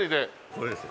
これです。